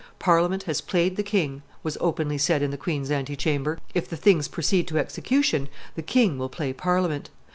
"Parliament has played the king," was openly said in the queen's ante chamber; "if the things proceed to execution, the king will play Parliament."